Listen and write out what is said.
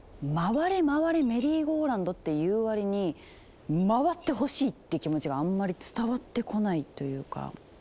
「回れ回れメリーゴーラウンド」って言うわりに「回ってほしい」って気持ちがあんまり伝わってこないというか。